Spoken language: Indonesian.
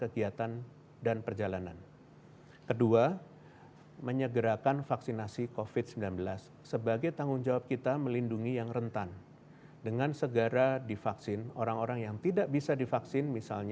di pintu kedatangan